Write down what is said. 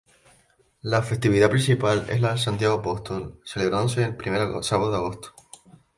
La festividad principal es la de Santiago Apóstol, celebrándose el primer sábado de agosto.